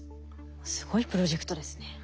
すごいプロジェクトですね。